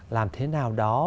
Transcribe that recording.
làm thế nào đó